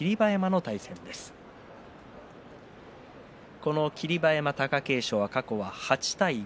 この霧馬山と貴景勝は過去８対５。